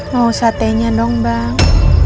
mau satenya dong bang